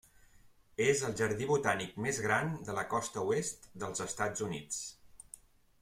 És el jardí botànic més gran de la costa oest dels Estats Units.